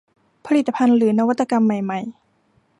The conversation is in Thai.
ผลิตภัณฑ์หรือนวัตกรรมใหม่ใหม่